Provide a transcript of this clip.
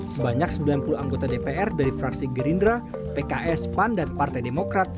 sebanyak sembilan puluh anggota dpr dari fraksi gerindra pks pan dan partai demokrat